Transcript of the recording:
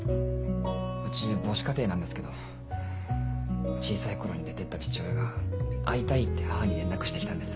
うち母子家庭なんですけど小さい頃に出て行った父親が「会いたい」って母に連絡して来たんです。